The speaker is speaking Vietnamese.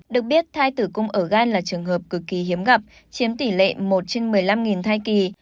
được biết thai tử cung ở gan là trường hợp cực kỳ hiếm gặp chiếm tỷ lệ một trên một mươi năm thai kỳ